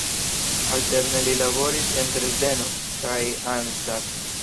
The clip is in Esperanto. Alterne li laboris en Dresdeno kaj Arnstadt.